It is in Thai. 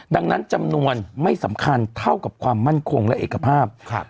ดังนั้นจำนวนไม่สำคัญเท่ากับความมั่นคงและเอกภาพ